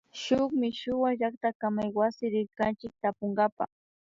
Shuk mishuwa llaktakamaywasi rirkanchik tapunkapa